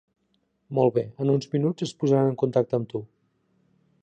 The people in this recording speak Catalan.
Molt bé, en uns minuts es posaran en contacte amb tu.